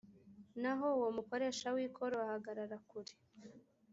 naho uwo mukoresha w ikoro ahagarara kure